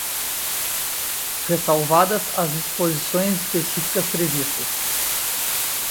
ressalvadas as disposições específicas previstas